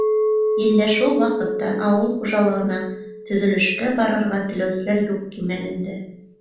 Иллә шул уҡ ваҡытта ауыл хужалығына, төҙөлөшкә барырға теләүселәр юҡ кимәлендә.